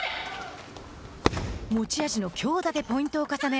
持ち味の強打でポイントを重ね